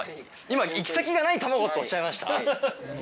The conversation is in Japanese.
今行き先がない卵っておっしゃいました？